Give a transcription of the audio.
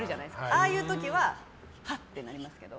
ああいう時ははっ！ってなりますけど。